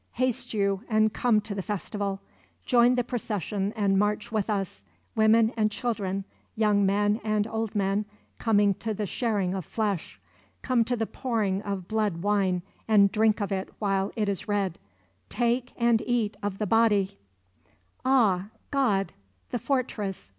Haste you and come to the festival; join the procession and march with us; women and children, young men and old men come to the sharing of flesh! Come to the pouring of blood wine and drink of it while it is red; take and eat of the Body Ah, God; the fortress!